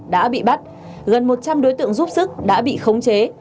đã bị bắt gần một trăm linh đối tượng giúp sức đã bị khống chế